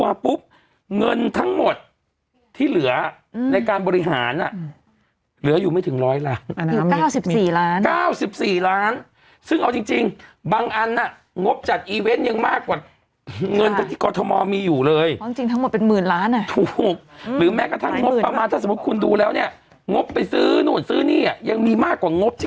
เวลาคนเข้าไปอ่ะมีใครใส่แมสบ้างเถอะอ้าวแล้วเนี่ยคือเมื่อกี้รถไม่อ่านอ่ะ